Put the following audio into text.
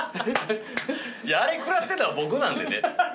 あれ食らってたの僕なんでね。